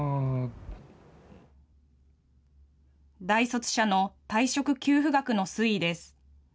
大卒者の退職給付額の推移です。